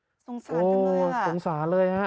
โอ้โฮสงสารจังเลยอะโอ้โฮสงสารเลยอะ